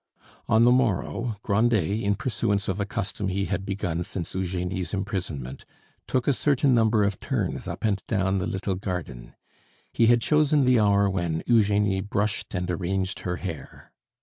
On the morrow Grandet, in pursuance of a custom he had begun since Eugenie's imprisonment, took a certain number of turns up and down the little garden; he had chosen the hour when Eugenie brushed and arranged her hair.